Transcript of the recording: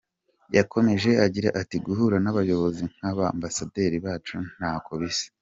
Yakomeje agira ati “Guhura n’abayobozi nka ba Ambasaderi bacu ntako bisa.